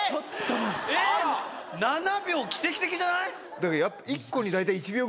７秒奇跡的じゃない？